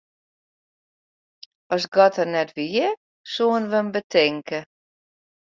As God der net wie, soenen wy him betinke.